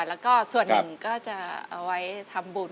แล้วก็ส่วนหนึ่งก็จะเอาไว้ทำบุญ